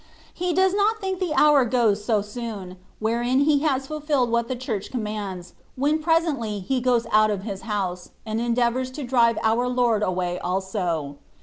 He does not think the hour goes soon enough, wherein he has fiilfilled what the Church commands, when pre i sently he goes out of his house, and endeavours to drive our Lord away also.